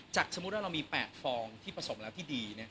สมมุติว่าเรามี๘ฟองที่ผสมแล้วที่ดี